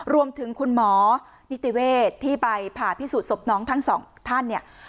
รวมถึงคุณหมอนิติเวศที่ไปผ่าพิสูจน์ศพน้องทั้งสองท่านเนี่ย